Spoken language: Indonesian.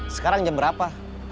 sekarang jam berapa